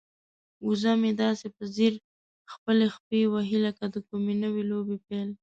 وزه مې داسې په ځیر خپلې پښې وهي لکه د کومې نوې لوبې پیل.